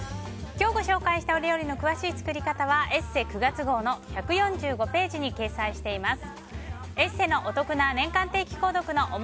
今日ご紹介した料理の詳しい作り方は「ＥＳＳＥ」９月号の１４５ページに掲載しています。